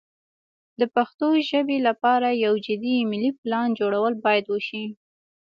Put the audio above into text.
د پښتو ژبې لپاره یو جدي ملي پلان جوړول باید وشي.